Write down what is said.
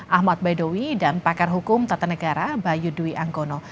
ahmad baidowi dan pakar hukum tata negara bayu dwi angkono